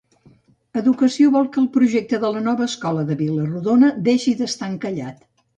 Educació vol que el projecte de la nova escola de Vila-rodona deixi d'estar encallat.